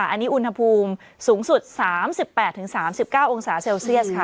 อันนี้อุณหภูมิสูงสุด๓๘๓๙องศาเซลเซียสค่ะ